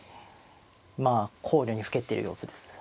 まあ考慮にふけってる様子です。